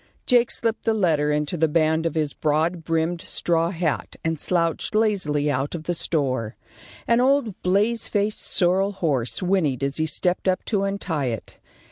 Jake slipped the letter into the band of his broad brimmed straw hat and slouched lazily out of the store. An old blaze faced sorrel horse whinnied as he stepped up to untie it.